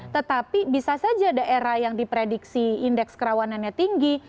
tetapi bisa saja daerah yang diprediksi indeks kerawanannya tinggi